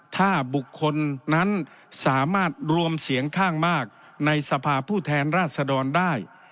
ถ้าบุคคลนั้นสามารถรวมเสียงข้างมากในสภาพผู้แทนราชดรได้